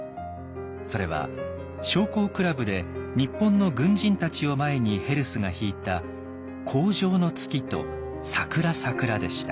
それは将校倶楽部で日本の軍人たちを前にヘルスが弾いた「荒城の月」と「さくらさくら」でした。